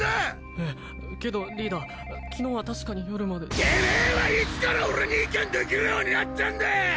えっけど昨日は確かに夜までてめぇは俺に意見できるようになったんだ！